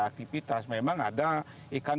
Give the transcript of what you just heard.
aktivitas memang ada ikan